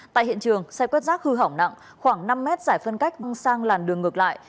tại hiện trường xe quét rác hư hỏng nặng khoảng năm mét giải phân cách văng sang làn đường ngược lại